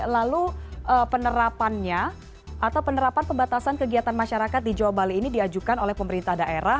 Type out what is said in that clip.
lalu penerapannya atau penerapan pembatasan kegiatan masyarakat di jawa bali ini diajukan oleh pemerintah daerah